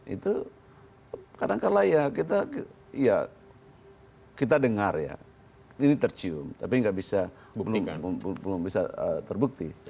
itu kadang kadang kita dengar ya ini tercium tapi belum bisa terbukti